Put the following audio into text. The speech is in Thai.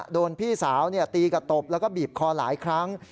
โดนพี่สาวตีกับตบแล้วก็บีบคอหลายครั้ง